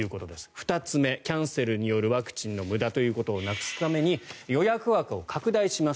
２つ目、キャンセルによるワクチンの無駄というのものをなくすために予約枠を拡大します。